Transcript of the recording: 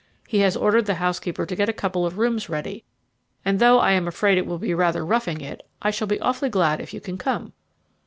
He has ordered the housekeeper to get a couple of rooms ready, and though I am afraid it will be rather roughing it, I shall be awfully glad if you can come."